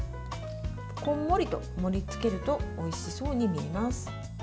こんもりと盛りつけるとおいしそうに見えます。